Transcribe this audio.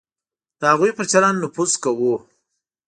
د هغوی پر چلند نفوذ کوو.